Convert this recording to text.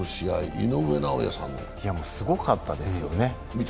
いや、もうすごかったですよね。